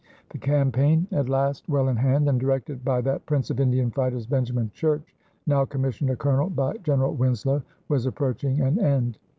The campaign at last well in hand and directed by that prince of Indian fighters, Benjamin Church, now commissioned a colonel by General Winslow was approaching an end.